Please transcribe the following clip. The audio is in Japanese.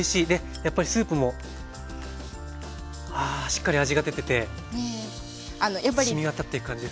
やっぱりスープもあしっかり味が出ててしみ渡っていく感じですね。